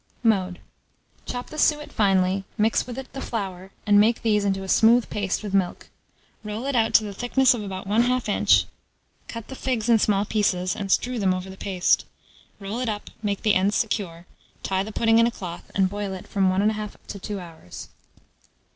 Chop the suet finely, mix with it the flour, and make these into a smooth paste with milk; roll it out to the thickness of about 1/2 inch, cut the figs in small pieces, and strew them over the paste; roll it up, make the ends secure, tie the pudding in a cloth, and boil it from 1 1/2 to 2 hours.